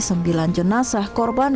sembilan jenasa korban